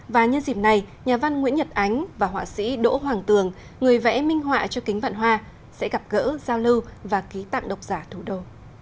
và nhân dịp này nhà văn nguyễn nhật ánh và họa sĩ đỗ hoàng tường người vẽ minh họa cho kính vạn hoa sẽ gặp gỡ giao lưu và ký tặng độc giả thủ đô